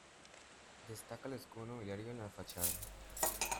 Destaca el escudo nobiliario en la fachada.